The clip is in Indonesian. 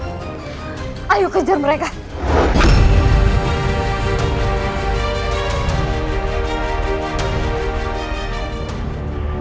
melalui kau kita akan kembali menjadi saudara